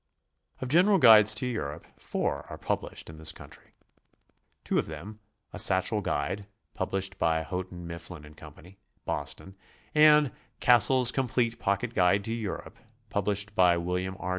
Of general guides to Europe four are published in this country. Two 'of them, ''A Satchel Guide," published by Houghton, Mifflin & Co., Boston, and "CasseH's Complete Pocket Guide to Europe," published by William R.